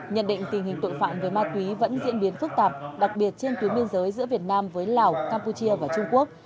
nhận định tình hình tội phạm về ma túy vẫn diễn biến phức tạp đặc biệt trên tuyến biên giới giữa việt nam với lào campuchia và trung quốc